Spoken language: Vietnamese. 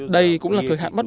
đây cũng là thời hạn bất ngờ